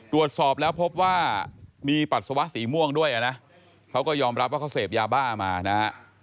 ตรวจสอบแล้วพบว่ามีปัสสาวะสีม่วงด้วยนะเขาก็ยอมรับว่าเขาเสพยาบ้ามานะฮะ